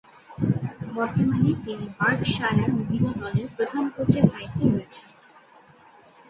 বর্তমানে তিনি বার্কশায়ার মহিলা দলের প্রধান কোচের দায়িত্বে রয়েছেন।